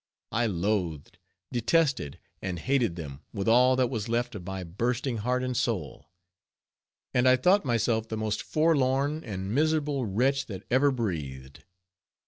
I loathed, detested, and hated them with all that was left of my bursting heart and soul, and I thought myself the most forlorn and miserable wretch that ever breathed.